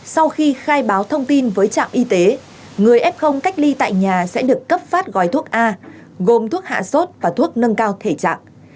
sau khi khai báo thông tin với trạm y tế người f cách ly tại nhà sẽ được cấp phát gói thuốc a gồm thuốc hạ sốt và thuốc nâng cao thể trạng